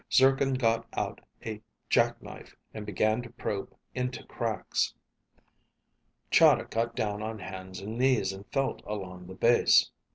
Zircon got out a jackknife and began to probe into cracks. Chahda got down on hands and knees and felt along the base.